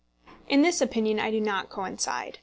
In this opinion I do not coincide.